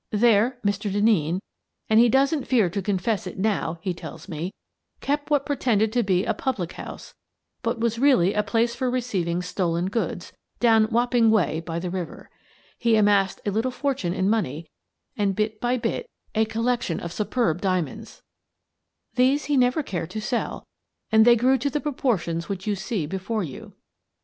There Mr. Denneen — and he doesn't fear to confess it now, he tells me — kept what pretended to be a public house, but was really a place for receiving stolen goods, down Wapping way by the river. He amassed a little fortune in money and, bit by bit, a collection of superb dia The Last of It 265 monds. These he never cared to sell, and they grew to the proportions which you see before you.